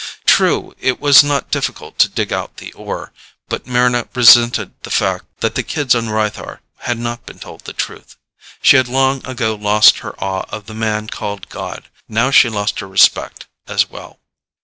True, it was not difficult to dig out the ore, but Mryna resented the fact that the kids on Rythar had not been told the truth. She had long ago lost her awe of the man called god; now she lost her respect as well.